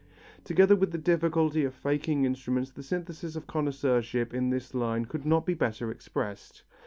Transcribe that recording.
Together with the difficulty of faking instruments the synthesis of connoisseurship in this line could not be better expressed.